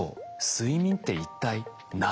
睡眠って一体何なんだ。